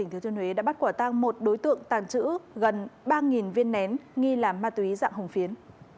thừa thiên huế đã bắt quả tăng một đối tượng tàn trữ gần ba viên nén nghi làm ma túy dạng hồng phiến